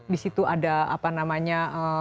di situ ada apa namanya